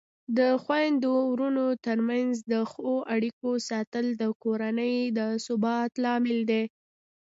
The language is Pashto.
د خویندو ورونو ترمنځ د ښو اړیکو ساتل د کورنۍ د ثبات لامل دی.